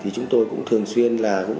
thì chúng tôi cũng thường xuyên là